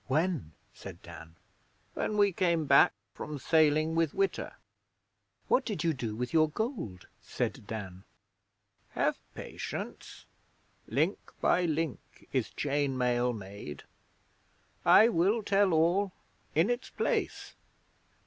'When?' said Dan. 'When we came back from sailing with Witta.' 'What did you do with your gold?' said Dan. 'Have patience. Link by link is chain mail made. I will tell all in its place.